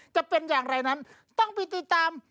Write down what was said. จะเป็นอย่างไรนั้นต้องไปติดตาม